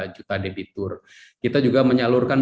dua juta debitur kita juga menyalurkan